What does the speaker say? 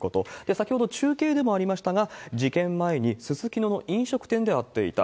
先ほど、中継でもありましたが、事件前にすすきのの飲食店で会っていた。